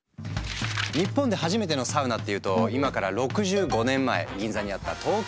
日本で初めてのサウナっていうと今から６５年前銀座にあった「東京温泉」。